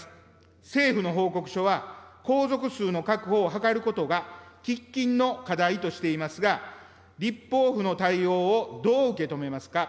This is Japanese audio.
政府の報告書は、皇族数の確保を図ることが喫緊の課題としていますが、立法府の対応をどう受け止めますか。